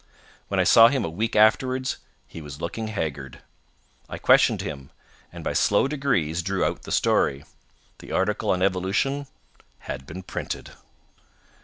When I saw him a week afterwards he was looking haggard. I questioned him, and by slow degrees drew out the story. The article on Evolution had been printed.